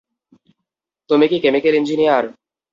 তুমি কি chemical engineer?